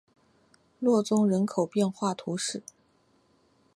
洛宗人口变化图示